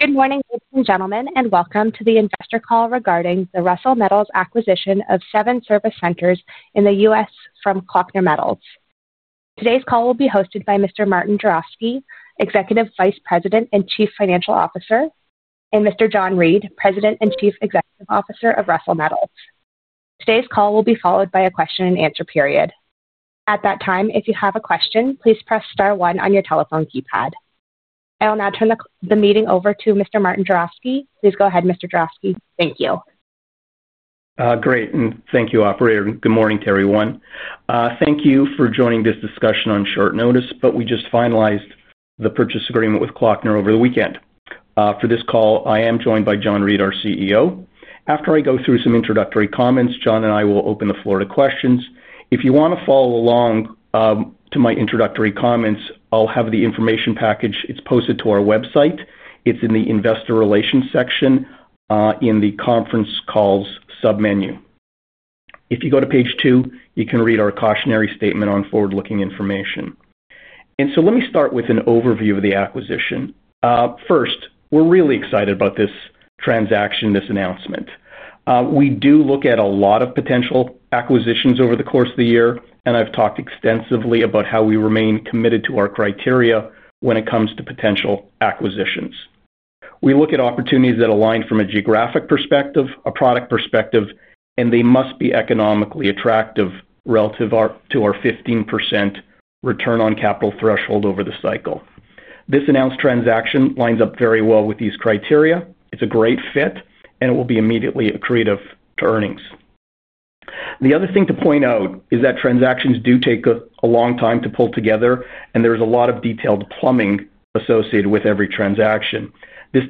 Good morning, ladies and gentlemen, and welcome to the investor call regarding the Russel Metals' acquisition of seven service centers in the U.S. from Kloeckner Metals. Today's call will be hosted by Mr. Martin Juravsky, Executive Vice President and Chief Financial Officer, and Mr. John Reid, President and Chief Executive Officer of Russel Metals. Today's call will be followed by a question and answer period. At that time, if you have a question, please press *1 on your telephone keypad. I will now turn the meeting over to Mr. Martin Juravsky. Please go ahead, Mr. Juravsky. Thank you. Great, and thank you, operator, and good morning to everyone. Thank you for joining this discussion on short notice, but we just finalized the purchase agreement with Kloeckner over the weekend. For this call, I am joined by John Reid, our CEO. After I go through some introductory comments, John and I will open the floor to questions. If you want to follow along to my introductory comments, I'll have the information package; it's posted to our website. It's in the Investor Relations section in the Conference Calls submenu. If you go to page 2, you can read our cautionary statement on forward-looking information. Let me start with an overview of the acquisition. First, we're really excited about this transaction, this announcement. We do look at a lot of potential acquisitions over the course of the year, and I've talked extensively about how we remain committed to our criteria when it comes to potential acquisitions. We look at opportunities that align from a geographic perspective, a product perspective, and they must be economically attractive relative to our 15% return on capital threshold over the cycle. This announced transaction lines up very well with these criteria. It's a great fit, and it will be immediately accretive to earnings. The other thing to point out is that transactions do take a long time to pull together, and there's a lot of detailed plumbing associated with every transaction. This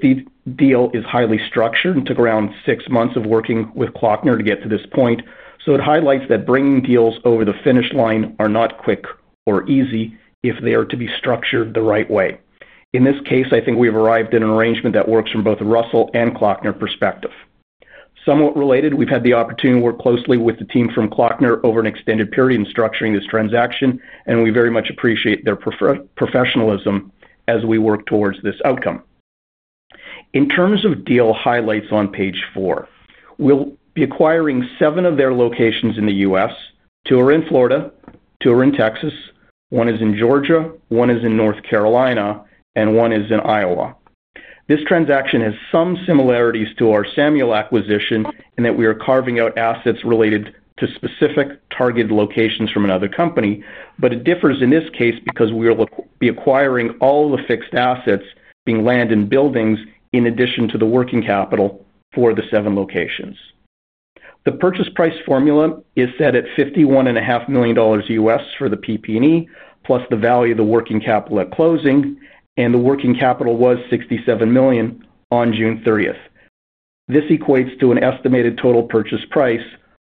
deal is highly structured and took around six months of working with Kloeckner to get to this point, so it highlights that bringing deals over the finish line are not quick or easy if they are to be structured the right way. In this case, I think we have arrived at an arrangement that works from both a Russel and Kloeckner perspective. Somewhat related, we've had the opportunity to work closely with the team from Kloeckner over an extended period in structuring this transaction, and we very much appreciate their professionalism as we work towards this outcome. In terms of deal highlights on page 4, we'll be acquiring seven of their locations in the U.S.: two are in Florida, two are in Texas, one is in Georgia, one is in North Carolina, and one is in Iowa. This transaction has some similarities to our Samuel acquisition in that we are carving out assets related to specific targeted locations from another company, but it differs in this case because we'll be acquiring all the fixed assets, being land and buildings, in addition to the working capital for the seven locations. The purchase price formula is set at $51.5 million U.S. for the PP&E, plus the value of the working capital at closing, and the working capital was $67 million on June 30th. This equates to an estimated total purchase price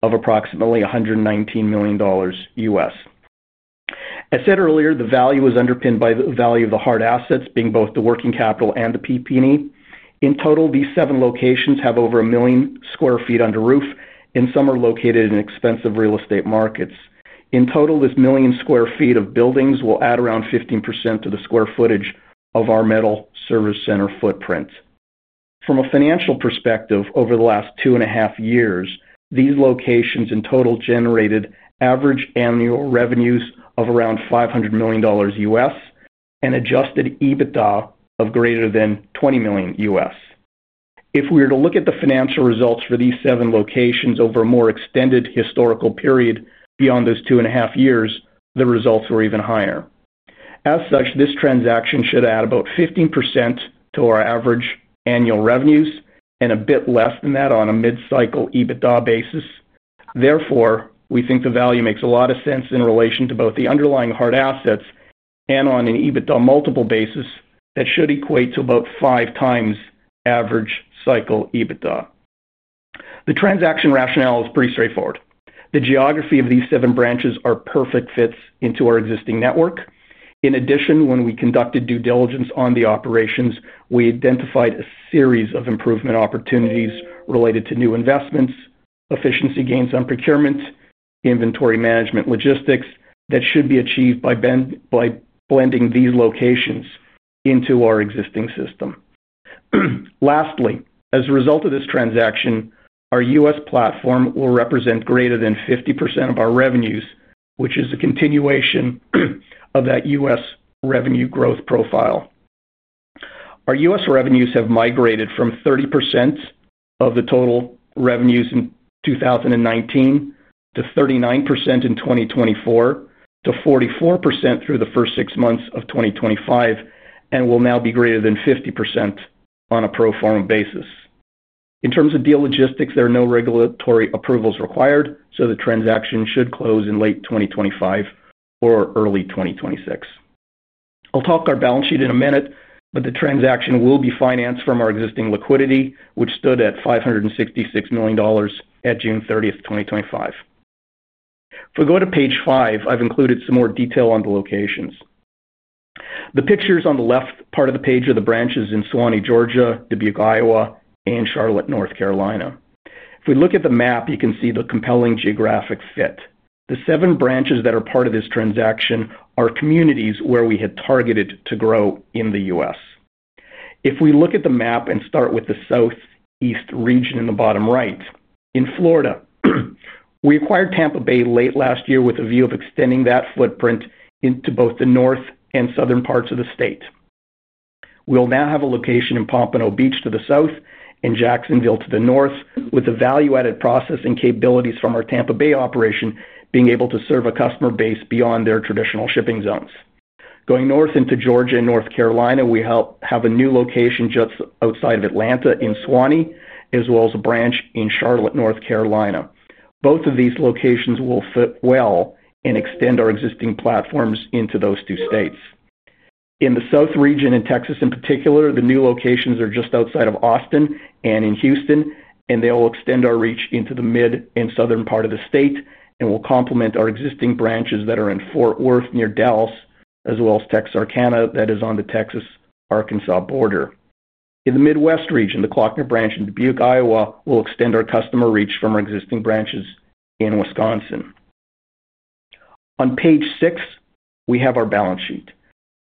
of approximately $119 million U.S. As said earlier, the value is underpinned by the value of the hard assets, being both the working capital and the PP&E. In total, these seven locations have over a million square feet under roof, and some are located in expensive real estate markets. In total, this million square feet of buildings will add around 15% to the square footage of our metal service center footprint. From a financial perspective, over the last two and a half years, these locations in total generated average annual revenues of around $500 million U.S. and adjusted EBITDA of greater than $20 million U.S. If we were to look at the financial results for these seven locations over a more extended historical period beyond those two and a half years, the results were even higher. As such, this transaction should add about 15% to our average annual revenues and a bit less than that on a mid-cycle EBITDA basis. Therefore, we think the value makes a lot of sense in relation to both the underlying hard assets and on an EBITDA multiple basis that should equate to about five times average cycle EBITDA. The transaction rationale is pretty straightforward. The geography of these seven branches are perfect fits into our existing network. In addition, when we conducted due diligence on the operations, we identified a series of improvement opportunities related to new investments, efficiency gains on procurement, inventory management logistics that should be achieved by blending these locations into our existing system. Lastly, as a result of this transaction, our U.S. platform will represent greater than 50% of our revenues, which is a continuation of that U.S. revenue growth profile. Our U.S. revenues have migrated from 30% of the total revenues in 2019 to 39% in 2024 to 44% through the first six months of 2025, and will now be greater than 50% on a pro forma basis. In terms of deal logistics, there are no regulatory approvals required, so the transaction should close in late 2025 or early 2026. I'll talk our balance sheet in a minute, but the transaction will be financed from our existing liquidity, which stood at $566 million at June 30, 2025. If we go to page 5, I've included some more detail on the locations. The pictures on the left part of the page are the branches in Suwanee, Georgia, Dubuque, Iowa, and Charlotte, North Carolina. If we look at the map, you can see the compelling geographic fit. The seven branches that are part of this transaction are communities where we had targeted to grow in the U.S. If we look at the map and start with the southeast region in the bottom right, in Florida, we acquired Tampa Bay late last year with a view of extending that footprint into both the north and southern parts of the state. We'll now have a location in Pompano Beach to the south and Jacksonville to the north, with a value-added process and capabilities from our Tampa Bay operation being able to serve a customer base beyond their traditional shipping zones. Going north into Georgia and North Carolina, we have a new location just outside of Atlanta in Suwanee, as well as a branch in Charlotte, North Carolina. Both of these locations will fit well and extend our existing platforms into those two states. In the south region, in Texas in particular, the new locations are just outside of Austin and in Houston, and they will extend our reach into the mid and southern part of the state and will complement our existing branches that are in Fort Worth near Dallas, as well as Texarkana that is on the Texas-Arkansas border. In the Midwest region, the Kloeckner branch in Dubuque, Iowa will extend our customer reach from our existing branches in Wisconsin. On page 6, we have our balance sheet.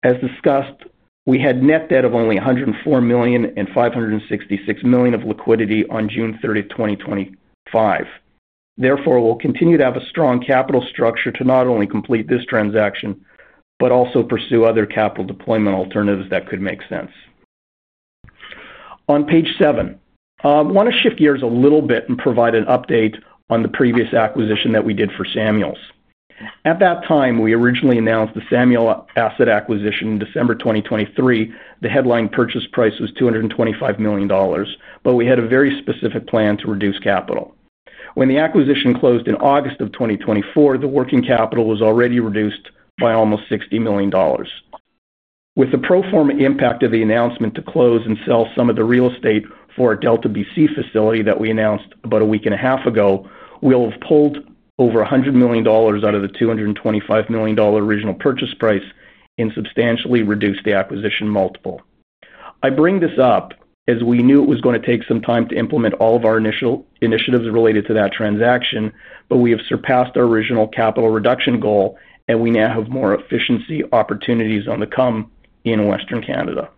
As discussed, we had net debt of only $104 million, $566 million of liquidity on June 30, 2025. Therefore, we'll continue to have a strong capital structure to not only complete this transaction but also pursue other capital deployment alternatives that could make sense. On page 7, I want to shift gears a little bit and provide an update on the previous acquisition that we did for Samuel. At that time, we originally announced the Samuel asset acquisition in December 2023. The headline purchase price was $225 million, but we had a very specific plan to reduce capital. When the acquisition closed in August of 2024, the working capital was already reduced by almost $60 million. With the pro forma impact of the announcement to close and sell some of the real estate for our Delta BC facility that we announced about a week and a half ago, we'll have pulled over $100 million out of the $225 million original purchase price and substantially reduced the acquisition multiple. I bring this up as we knew it was going to take some time to implement all of our initial initiatives related to that transaction, but we have surpassed our original capital reduction goal, and we now have more efficiency opportunities on the come in Western Canada.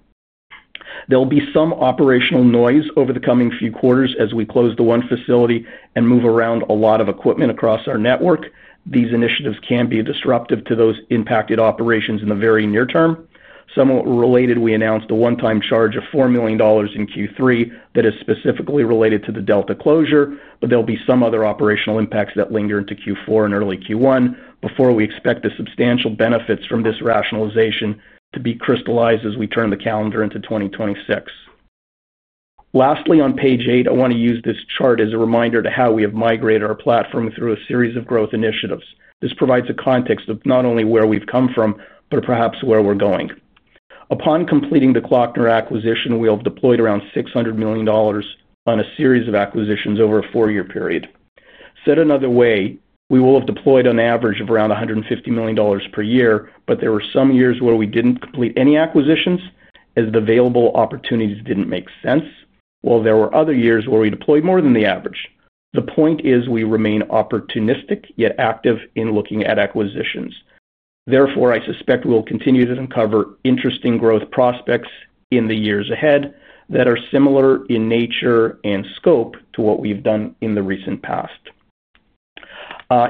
There will be some operational noise over the coming few quarters as we close the one facility and move around a lot of equipment across our network. These initiatives can be disruptive to those impacted operations in the very near term. Somewhat related, we announced a one-time charge of $4 million in Q3 that is specifically related to the Delta closure, but there will be some other operational impacts that linger into Q4 and early Q1 before we expect the substantial benefits from this rationalization to be crystallized as we turn the calendar into 2026. Lastly, on page 8, I want to use this chart as a reminder to how we have migrated our platform through a series of growth initiatives. This provides a context of not only where we've come from, but perhaps where we're going. Upon completing the Kloeckner acquisition, we have deployed around $600 million on a series of acquisitions over a four-year period. Said another way, we will have deployed an average of around $150 million per year, but there were some years where we didn't complete any acquisitions as the available opportunities didn't make sense, while there were other years where we deployed more than the average. The point is we remain opportunistic yet active in looking at acquisitions. Therefore, I suspect we'll continue to uncover interesting growth prospects in the years ahead that are similar in nature and scope to what we've done in the recent past.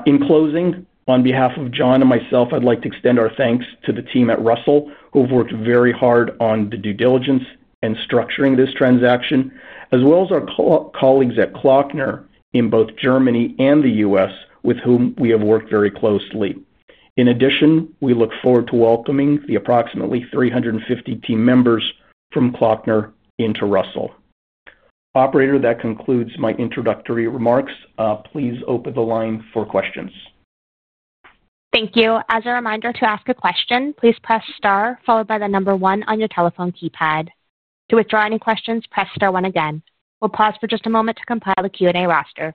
In closing, on behalf of John and myself, I'd like to extend our thanks to the team at Russel, who have worked very hard on the due diligence and structuring this transaction, as well as our colleagues at Kloeckner in both Germany and the U.S., with whom we have worked very closely. In addition, we look forward to welcoming the approximately 350 team members from Kloeckner into Russel. Operator, that concludes my introductory remarks. Please open the line for questions. Thank you. As a reminder, to ask a question, please press * followed by the number 1 on your telephone keypad. To withdraw any questions, press *1 again. We'll pause for just a moment to compile the Q&A roster.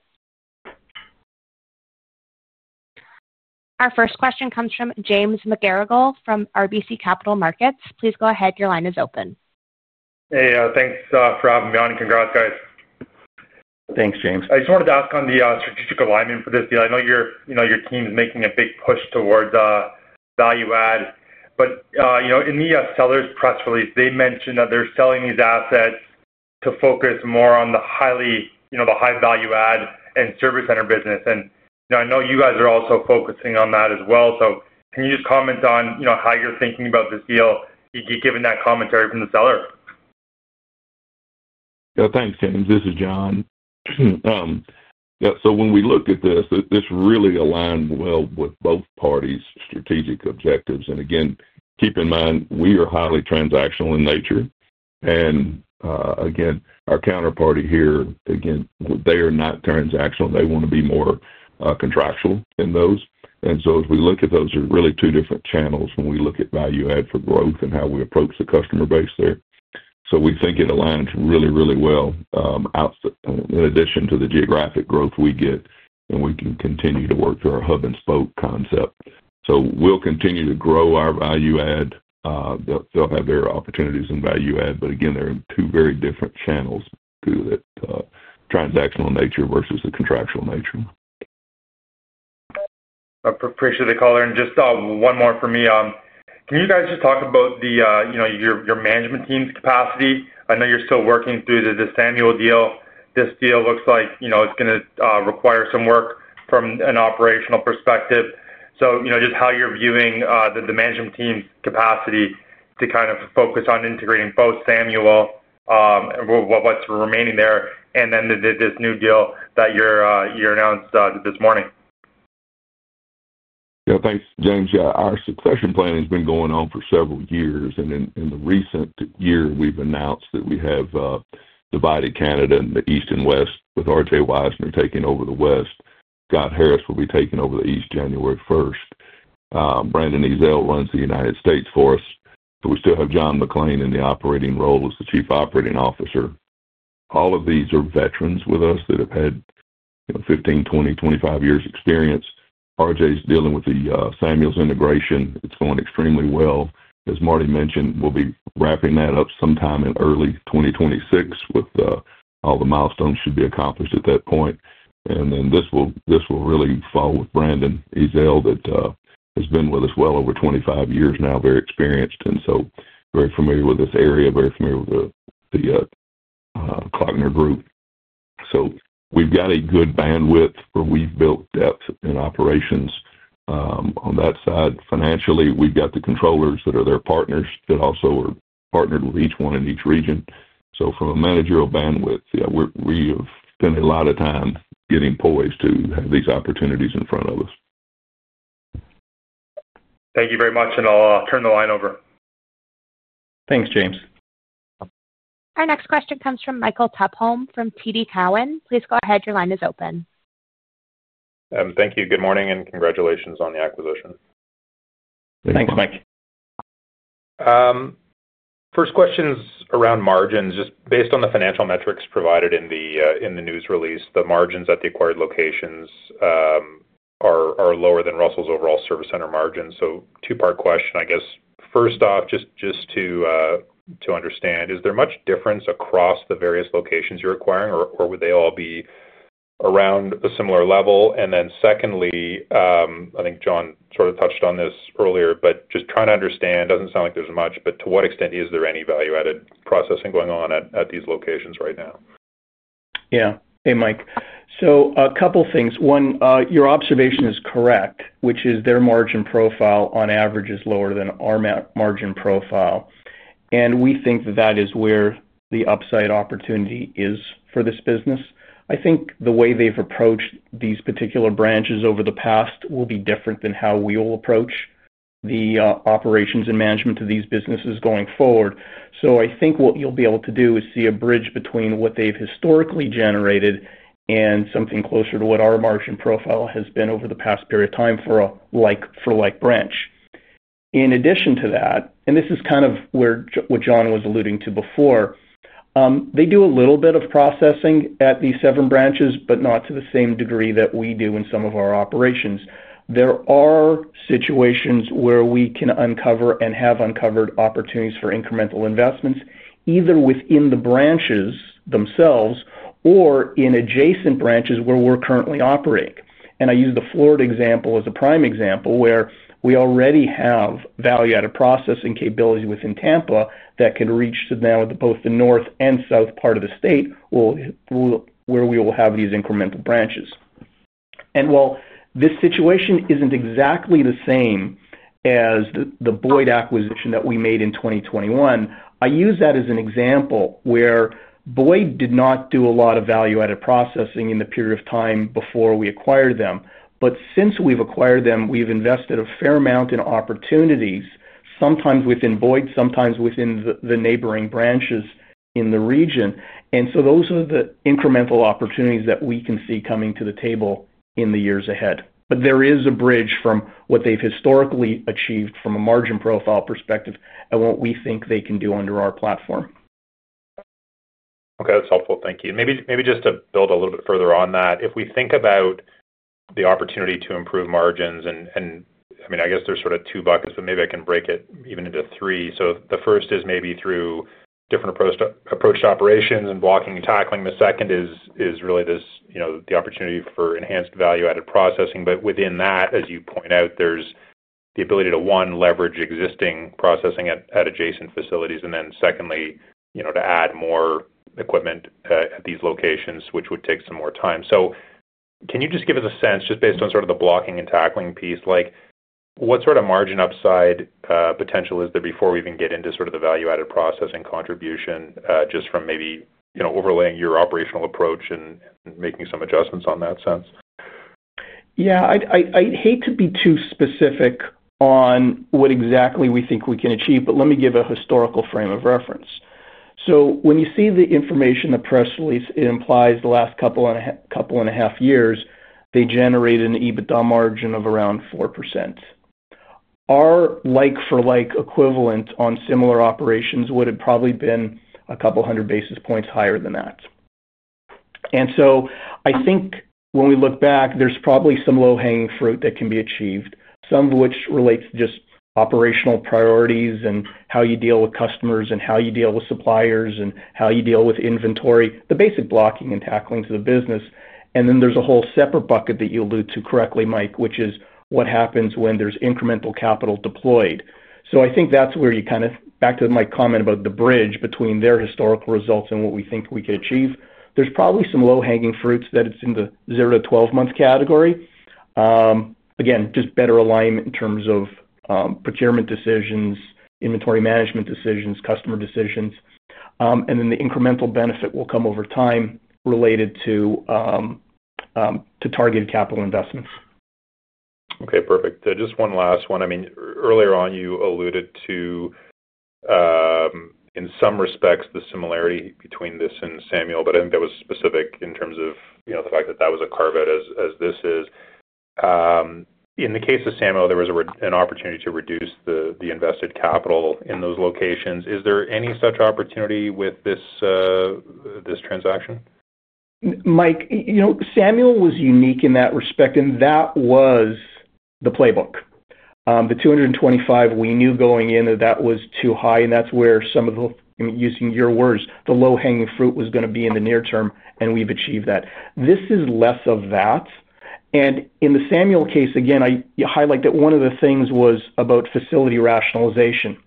Our first question comes from James McGarragle from RBC Capital Markets. Please go ahead. Your line is open. Hey, thanks for having me on. Congrats, guys. Thanks, James. I just wanted to ask on the strategic alignment for this deal. I know your team is making a big push towards value add, but in the seller's press release, they mentioned that they're selling these assets to focus more on the high value add and service center business. I know you guys are also focusing on that as well. Can you comment on how you're thinking about this deal, given that commentary from the seller? Yeah, thanks, James. This is John. When we look at this, this really aligns well with both parties' strategic objectives. Keep in mind, we are highly transactional in nature. Our counterparty here, they are not transactional. They want to be more contractual in those. As we look at those, there are really two different channels when we look at value add for growth and how we approach the customer base there. We think it aligns really, really well in addition to the geographic growth we get, and we can continue to work through our hub-and-spoke concept. We'll continue to grow our value add. They'll have their opportunities in value add, but they're in two very different channels through that transactional nature versus the contractual nature. Appreciate the caller. Just one more for me. Can you guys just talk about your management team's capacity? I know you're still working through the Samuel deal. This deal looks like it's going to require some work from an operational perspective. Just how you're viewing the management team's capacity to kind of focus on integrating both Samuel and what's remaining there, and then this new deal that you announced this morning. Yeah, thanks, James. Our succession plan has been going on for several years, and in the recent year, we've announced that we have divided Canada in the east and west with R.J. Wisner taking over the west. Scott Harris will be taking over the east January 1st. Brandon Ezell runs the United States for us. We still have John McClain in the operating role as the Chief Operating Officer. All of these are veterans with us that have had 15, 20, 25 years' experience. R.J. is dealing with the Samuel integration. It's going extremely well. As Marty mentioned, we'll be wrapping that up sometime in early 2026 with all the milestones should be accomplished at that point. This will really fall with Brandon Ezell that has been with us well over 25 years now, very experienced, and very familiar with this area, very familiar with the Kloeckner Group. We've got a good bandwidth where we've built depth in operations on that side. Financially, we've got the controllers that are their partners that also are partnered with each one in each region. From a managerial bandwidth, we have spent a lot of time getting poised to have these opportunities in front of us. Thank you very much, and I'll turn the line over. Thanks, James. Our next question comes from Michael Tupholme from TD Cowen. Please go ahead. Your line is open. Thank you. Good morning and congratulations on the acquisition. Thanks, Mike. First question is around margins. Just based on the financial metrics provided in the news release, the margins at the acquired locations are lower than Russel's overall service center margins. Two-part question, I guess. First off, just to understand, is there much difference across the various locations you're acquiring, or would they all be around a similar level? Secondly, I think John sort of touched on this earlier, but just trying to understand, it doesn't sound like there's much, but to what extent is there any value-added processing going on at these locations right now? Yeah. Hey, Mike. A couple of things. One, your observation is correct, which is their margin profile on average is lower than our margin profile. We think that is where the upside opportunity is for this business. I think the way they've approached these particular branches over the past will be different than how we will approach the operations and management of these businesses going forward. I think what you'll be able to do is see a bridge between what they've historically generated and something closer to what our margin profile has been over the past period of time for a like-branch. In addition to that, and this is kind of what John was alluding to before, they do a little bit of processing at these seven branches, but not to the same degree that we do in some of our operations. There are situations where we can uncover and have uncovered opportunities for incremental investments, either within the branches themselves or in adjacent branches where we're currently operating. I use the Florida example as a prime example where we already have value-added processing capabilities within Tampa that can reach to now both the north and south part of the state where we will have these incremental branches. While this situation isn't exactly the same as the Boyd acquisition that we made in 2021, I use that as an example where Boyd did not do a lot of value-added processing in the period of time before we acquired them. Since we've acquired them, we've invested a fair amount in opportunities, sometimes within Boyd, sometimes within the neighboring branches in the region. Those are the incremental opportunities that we can see coming to the table in the years ahead. There is a bridge from what they've historically achieved from a margin profile perspective and what we think they can do under our platform. Okay, that's helpful. Thank you. Maybe just to build a little bit further on that, if we think about the opportunity to improve margins, and I mean, I guess there's sort of two buckets, but maybe I can break it even into three. The first is maybe through different approach to operations and blocking and tackling. The second is really this, you know, the opportunity for enhanced value-added processing. Within that, as you point out, there's the ability to, one, leverage existing processing at adjacent facilities, and then secondly, to add more equipment at these locations, which would take some more time. Can you just give us a sense, just based on sort of the blocking and tackling piece, like what sort of margin upside potential is there before we even get into sort of the value-added processing contribution, just from maybe overlaying your operational approach and making some adjustments on that sense? Yeah, I'd hate to be too specific on what exactly we think we can achieve, but let me give a historical frame of reference. When you see the information, the press release, it implies the last couple and a half years, they generated an EBITDA margin of around 4%. Our like-for-like equivalent on similar operations would have probably been a couple hundred basis points higher than that. I think when we look back, there's probably some low-hanging fruit that can be achieved, some of which relates to just operational priorities and how you deal with customers and how you deal with suppliers and how you deal with inventory, the basic blocking and tackling to the business. There's a whole separate bucket that you alluded to correctly, Mike, which is what happens when there's incremental capital deployed. I think that's where you kind of, back to my comment about the bridge between their historical results and what we think we can achieve, there's probably some low-hanging fruits that it's in the zero to 12 months category. Again, just better alignment in terms of procurement decisions, inventory management decisions, customer decisions. The incremental benefit will come over time related to targeted capital investments. Okay, perfect. Just one last one. I mean, earlier on you alluded to, in some respects, the similarity between this and Samuel, but I think that was specific in terms of the fact that that was a carve-out as this is. In the case of Samuel, there was an opportunity to reduce the invested capital in those locations. Is there any such opportunity with this transaction? Mike, you know, Samuel was unique in that respect, and that was the playbook. The $225 we knew going in, that was too high, and that's where some of the, I mean, using your words, the low-hanging fruit was going to be in the near term, and we've achieved that. This is less of that. In the Samuel case, again, I highlight that one of the things was about facility rationalization.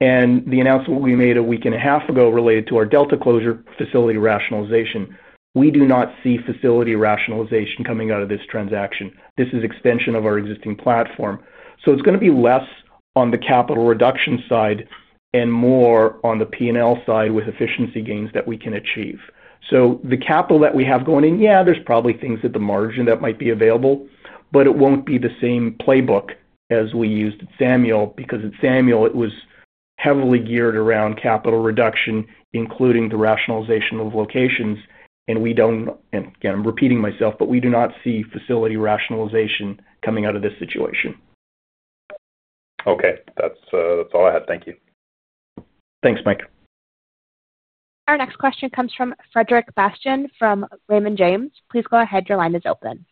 The announcement we made a week and a half ago related to our Delta closure facility rationalization, we do not see facility rationalization coming out of this transaction. This is an extension of our existing platform. It's going to be less on the capital reduction side and more on the P&L side with efficiency gains that we can achieve. The capital that we have going in, yeah, there's probably things at the margin that might be available, but it won't be the same playbook as we used at Samuel because at Samuel, it was heavily geared around capital reduction, including the rationalization of locations. We don't, and again, I'm repeating myself, but we do not see facility rationalization coming out of this situation. Okay, that's all I had. Thank you. Thanks, Mike. Our next question comes from Frederic Bastien from Raymond James Ltd. Please go ahead. Your line is open.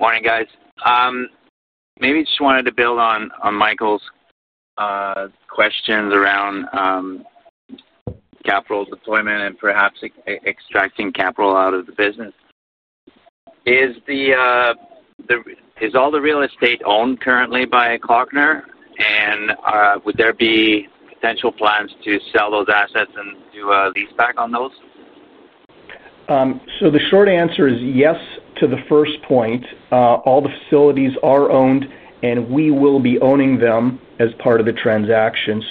Morning, guys. Maybe I just wanted to build on Michael's questions around capital deployment and perhaps extracting capital out of the business. Is all the real estate owned currently by Kloeckner? Would there be potential plans to sell those assets and do a leaseback on those? Yes to the first point. All the facilities are owned, and we will be owning them as part of the transaction.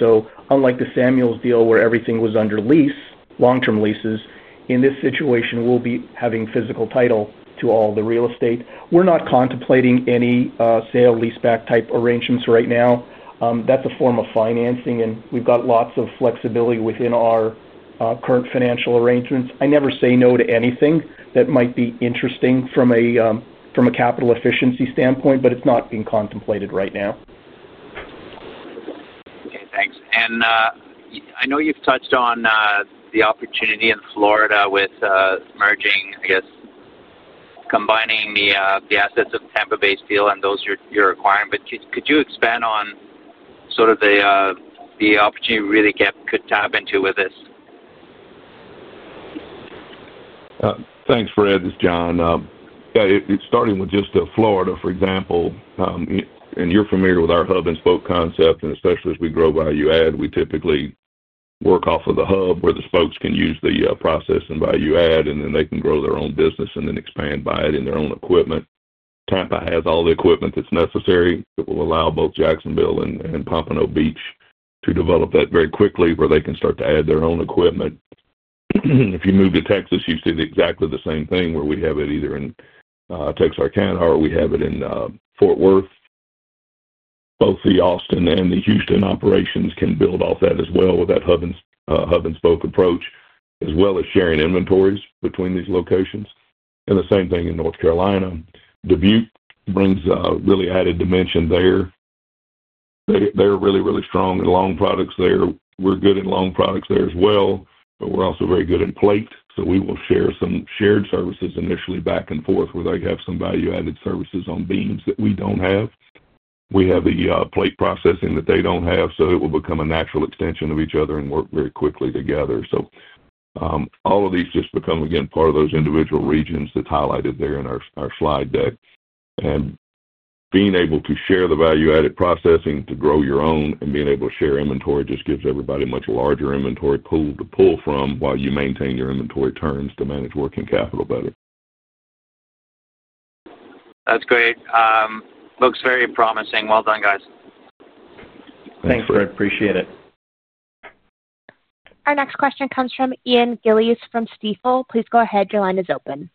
Unlike the Samuel deal where everything was under lease, long-term leases, in this situation, we'll be having physical title to all the real estate. We're not contemplating any sale leaseback type arrangements right now. That's a form of financing, and we've got lots of flexibility within our current financial arrangements. I never say no to anything that might be interesting from a capital efficiency standpoint, but it's not being contemplated right now. Okay, thanks. I know you've touched on the opportunity in Florida with merging, I guess, combining the assets of Tampa Bay Steel and those you're acquiring. Could you expand on sort of the opportunity you really could tap into with this? Thanks for adding this, John. Yeah, starting with just Florida, for example, and you're familiar with our hub-and-spoke concept, and especially as we grow value add, we typically work off of the hub where the spokes can use the process and value add, and then they can grow their own business and then expand by adding their own equipment. Tampa has all the equipment that's necessary. It will allow both Jacksonville and Pompano Beach to develop that very quickly where they can start to add their own equipment. If you move to Texas, you see exactly the same thing where we have it either in Texarkana or we have it in Fort Worth. Both the Austin and the Houston operations can build off that as well with that hub-and-spoke approach, as well as sharing inventories between these locations. The same thing in North Carolina. Dubuque brings a really added dimension there. They're really, really strong in long products there. We're good in long products there as well, but we're also very good in plate. We will share some shared services initially back and forth where they have some value-added services on beams that we don't have. We have the plate processing that they don't have, so it will become a natural extension of each other and work very quickly together. All of these just become, again, part of those individual regions that's highlighted there in our slide deck. Being able to share the value-added processing to grow your own and being able to share inventory just gives everybody a much larger inventory pool to pull from while you maintain your inventory turns to manage working capital better. That's great. Looks very promising. Well done, guys. Thanks, Fred. Appreciate it. Our next question comes from Ian Brooks Gillies from Stifel. Please go ahead. Your line is open.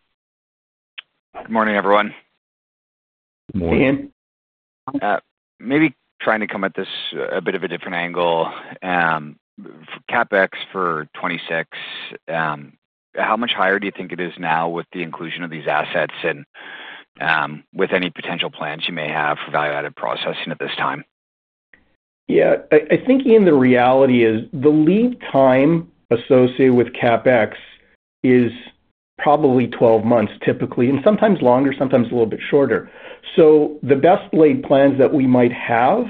Good morning, everyone. Good morning. Ian, maybe trying to come at this a bit of a different angle. CapEx for 2026, how much higher do you think it is now with the inclusion of these assets and with any potential plans you may have for value-added processing at this time? Yeah, I think, Ian, the reality is the lead time associated with CapEx is probably 12 months, typically, and sometimes longer, sometimes a little bit shorter. The best-laid plans that we might have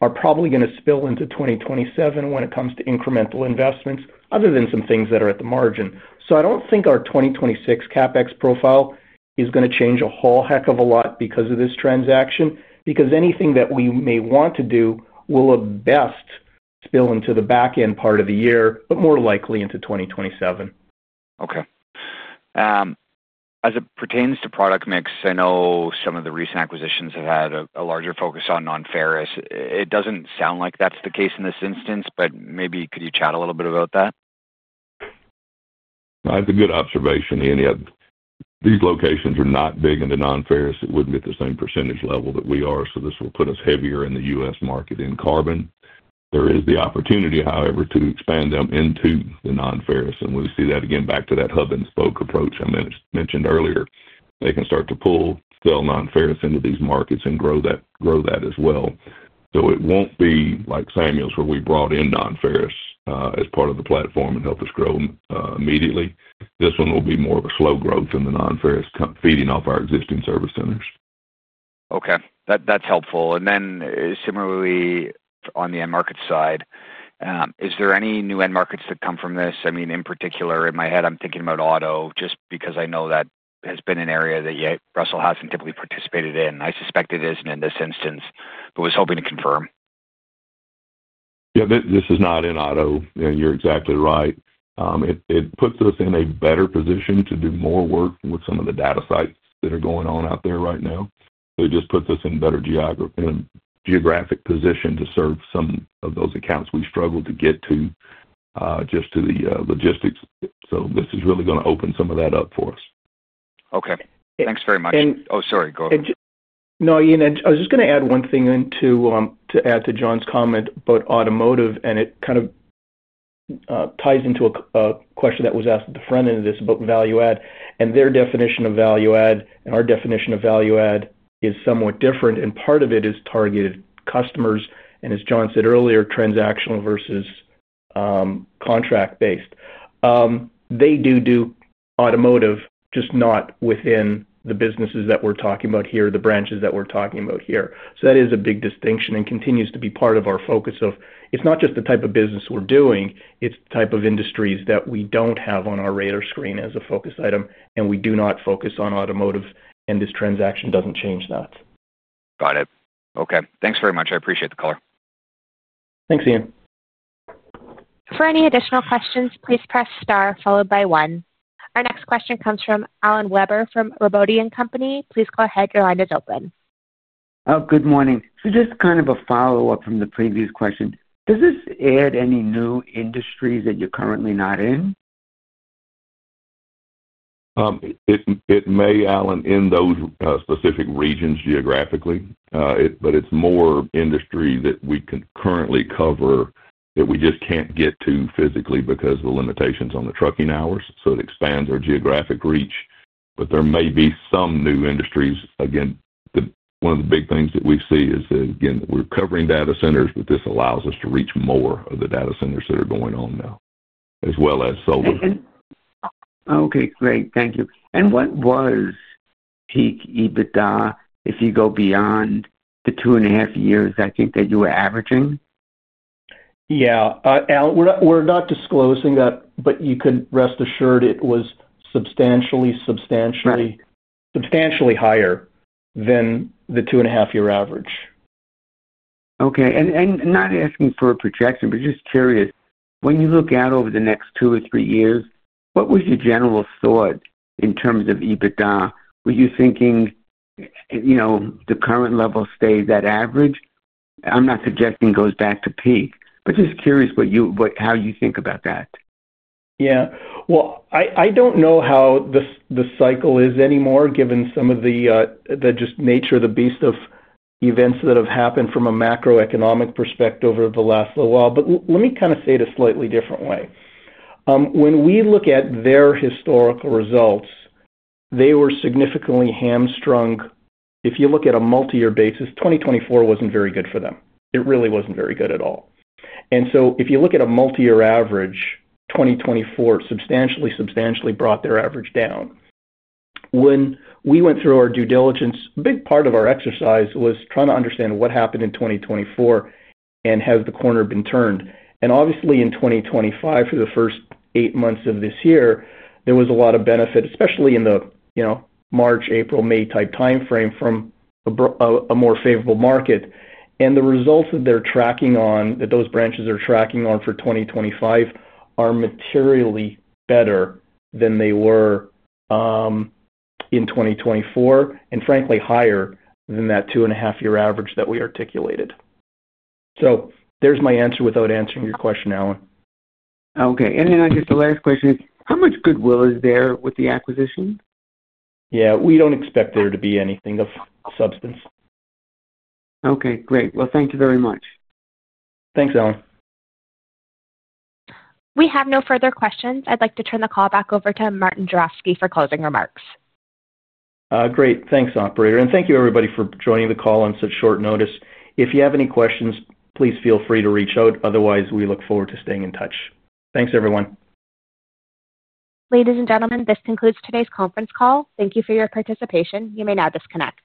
are probably going to spill into 2027 when it comes to incremental investments, other than some things that are at the margin. I don't think our 2026 CapEx profile is going to change a whole heck of a lot because of this transaction, because anything that we may want to do will at best spill into the backend part of the year, but more likely into 2027. Okay. As it pertains to product mix, I know some of the recent acquisitions have had a larger focus on non-ferrous. It doesn't sound like that's the case in this instance, but maybe could you chat a little bit about that? That's a good observation, Ian. Yeah, these locations are not big into non-ferrous. It wouldn't be at the same % level that we are, so this will put us heavier in the U.S. market in carbon. There is the opportunity, however, to expand them into the non-ferrous. We see that again, back to that hub-and-spoke approach I mentioned earlier. They can start to pull still non-ferrous into these markets and grow that as well. It won't be like Samuel where we brought in non-ferrous as part of the platform and helped us grow immediately. This one will be more of a slow growth in the non-ferrous feeding off our existing service centers. Okay, that's helpful. Similarly, on the end market side, is there any new end markets that come from this? I mean, in particular, in my head, I'm thinking about auto, just because I know that has been an area that Russel hasn't typically participated in. I suspect it isn't in this instance, but was hoping to confirm. Yeah, this is not in auto, and you're exactly right. It puts us in a better position to do more work with some of the data sites that are going on out there right now. It just puts us in a better geographic position to serve some of those accounts we struggled to get to, just due to the logistics. This is really going to open some of that up for us. Okay, thanks very much. And. Oh, sorry. Go ahead. No, Ian, I was just going to add one thing to add to John's comment about automotive, and it kind of ties into a question that was asked at the front end of this about value add. Their definition of value add, our definition of value add is somewhat different, and part of it is targeted customers. As John said earlier, transactional versus contract-based. They do do automotive, just not within the businesses that we're talking about here, the branches that we're talking about here. That is a big distinction and continues to be part of our focus. It's not just the type of business we're doing. It's the type of industries that we don't have on our radar screen as a focus item, and we do not focus on automotive, and this transaction doesn't change that. Got it. Okay, thanks very much. I appreciate the call. Thanks, Ian. For any additional questions, please press * followed by 1. Our next question comes from Alan Weber from Robotti & Company. Please go ahead. Your line is open. Good morning. Just kind of a follow-up from the previous question. Does this add any new industries that you're currently not in? It may, Alan, in those specific regions geographically, but it's more industry that we can currently cover that we just can't get to physically because of the limitations on the trucking hours. It expands our geographic reach. There may be some new industries. One of the big things that we see is we're covering data centers, but this allows us to reach more of the data centers that are going on now, as well as solar. Okay, great. Thank you. What was peak EBITDA if you go beyond the two and a half years I think that you were averaging? Yeah, Al, we're not disclosing that, but you can rest assured it was substantially, substantially higher than the two and a half year average. Okay. Not asking for a projection, but just curious, when you look out over the next two or three years, what was your general thought in terms of EBITDA? Were you thinking the current level stays at average? I'm not suggesting it goes back to peak, but just curious what you, how you think about that. Yeah. I don't know how the cycle is anymore, given some of the just nature of the beast of events that have happened from a macroeconomic perspective over the last little while. Let me kind of say it a slightly different way. When we look at their historical results, they were significantly hamstrung. If you look at a multi-year basis, 2024 wasn't very good for them. It really wasn't very good at all. If you look at a multi-year average, 2024 substantially, substantially brought their average down. When we went through our due diligence, a big part of our exercise was trying to understand what happened in 2024 and has the corner been turned. Obviously, in 2025, for the first eight months of this year, there was a lot of benefit, especially in the, you know, March, April, May type timeframe from a more favorable market. The results that they're tracking on, that those branches are tracking on for 2025, are materially better than they were in 2024, and frankly, higher than that two and a half year average that we articulated. There's my answer without answering your question, Alan. Okay. I guess the last question is, how much goodwill is there with the acquisition? Yeah, we don't expect there to be anything of substance. Okay, great. Thank you very much. Thanks, Alan. We have no further questions. I'd like to turn the call back over to Martin Juravsky for closing remarks. Great. Thanks, operator. Thank you, everybody, for joining the call on such short notice. If you have any questions, please feel free to reach out. Otherwise, we look forward to staying in touch. Thanks, everyone. Ladies and gentlemen, this concludes today's conference call. Thank you for your participation. You may now disconnect.